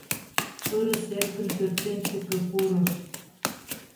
Пырыс эркын пӧртӧнчыкӧ пурыш.